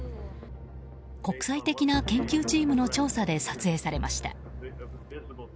国際的な研究チームの調査で撮影されました。